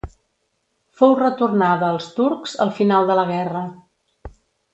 Fou retornada als turcs al final de la guerra.